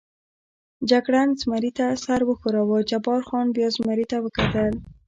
جګړن زمري ته سر و ښوراوه، جبار خان بیا زمري ته وکتل.